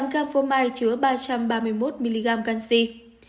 hai mươi tám g phô mai chứa ba trăm ba mươi một mg canxi